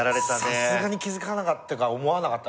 さすがに気付かなかったってか思わなかった。